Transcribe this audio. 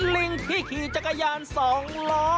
ลิงที่ขี่จักรยาน๒ล้อ